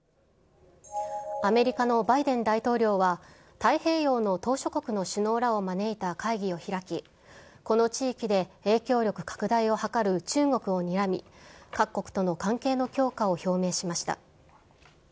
アメリカのバイデン大統領は、太平洋の島しょ国の首脳らを招いた会議を開き、この地域で影響力拡大を図る中国をにらみ、各国との関係の強化を表明しました。